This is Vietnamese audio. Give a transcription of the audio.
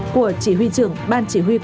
của chỉ huy trưởng ban chỉ huy quân sự